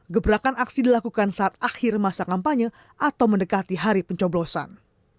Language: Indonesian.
gebrakan aksi dilakukan saat akhir masa kampanye atau mendekati hari pencoblosan